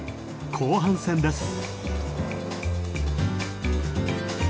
後半戦です！